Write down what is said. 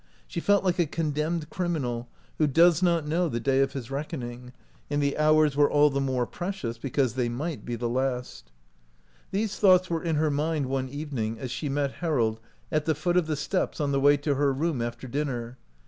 She felt like a condemned criminal who does not know the day of his reckoning, and the hours were all the more precious because they might be the last. i35 OUT OF BOHEMIA These thoughts were in her mind one evening as she met Harold at the foot of the steps on the way to her room after din ner.